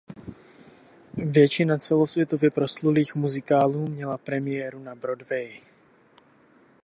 Většina celosvětově proslulých muzikálů měla premiéru na Broadwayi.